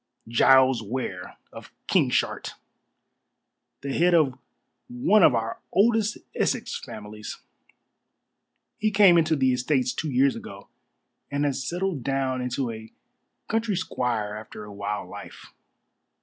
"Giles Ware, of Kingshart the head of one of our oldest Essex families. He came into the estates two years ago, and has settled down into a country squire after a wild life.